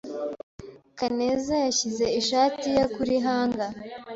Kaneza yashyize ishati ye kuri hanger.